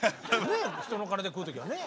ねえ人の金で食う時はね。